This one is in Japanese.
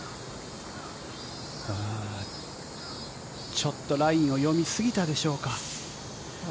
ちょっとラインを読み過ぎたでしょうか。